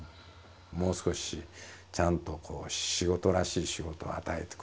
「もう少しちゃんと仕事らしい仕事を与えてくれ」と。